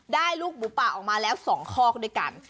ลูกหมูป่าออกมาแล้ว๒คอกด้วยกัน